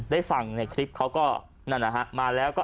ได้ฟังในคลิปเขาก็มาแล้ว